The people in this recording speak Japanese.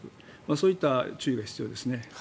そういった注意が必要ですね。